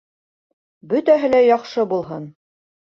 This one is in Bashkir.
Бөтәһе лә яҡшы булһын!